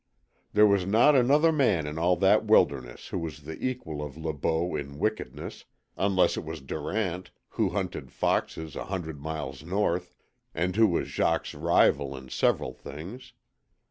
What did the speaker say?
There was not another man in all that wilderness who was the equal of Le Beau in wickedness unless it was Durant, who hunted foxes a hundred miles north, and who was Jacques's rival in several things.